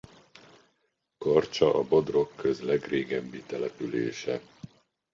Karcsa a Bodrogköz legrégebbi települése.